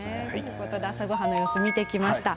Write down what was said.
朝ごはんの様子を見ていきました。